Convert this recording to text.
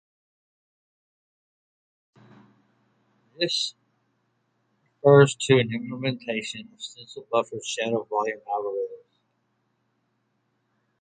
This refers to an implementation of stencil buffered shadow volume algorithms.